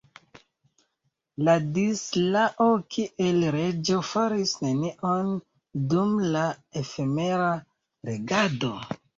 Ladislao, kiel reĝo, faris nenion dum la efemera regado.